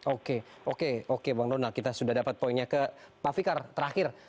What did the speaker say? oke oke oke bang donald kita sudah dapat poinnya ke pak fikar terakhir